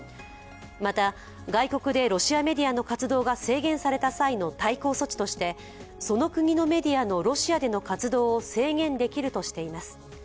また、外国でロシアメディアの活動が制限された際の対抗措置としてその国のメデイアのロシアでの活動を制限できるとしています。